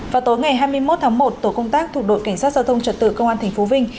vào tối ngày hai mươi một tháng một tổ công tác thuộc đội cảnh sát giao thông trật tự công an tp vinh